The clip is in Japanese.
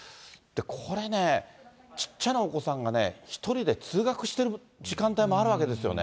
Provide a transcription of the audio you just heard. これね、ちっちゃなお子さんが１人で通学してる時間帯もあるわけですよね。